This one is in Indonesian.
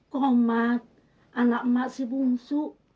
komat anak si bungsu